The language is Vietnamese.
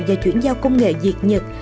và chuyển giao công nghệ việt nhật